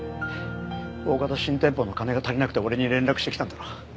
おおかた新店舗の金が足りなくて俺に連絡してきたんだろ。